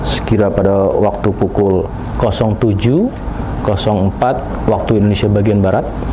sekira pada waktu pukul tujuh empat wib